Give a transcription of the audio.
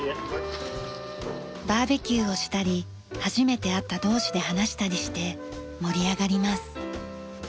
バーベキューをしたり初めて会った同士で話したりして盛り上がります。